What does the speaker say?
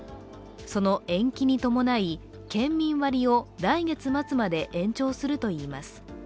その延期に伴い、県民割を来月末まで延長するといいます。